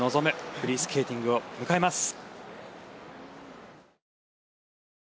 フリースケーティングを迎えます。